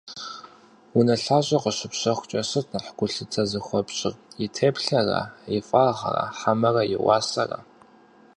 Унэлъащӏэ къыщыпщэхукӏэ сыт нэхъ гулъытэ зыхуэпщӏыр: и теплъэра, и фӏагъра хьэмэрэ и уасэра?